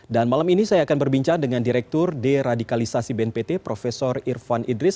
dan malam ini saya akan berbincang dengan direktur deradikalisasi bnpt prof irfan idris